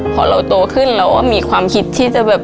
พอเราโตขึ้นเราก็มีความคิดที่จะแบบ